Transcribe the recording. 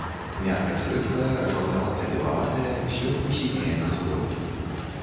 Мякаць рыхлая, жаўтавата-белаватая, злёгку сінее на зломе.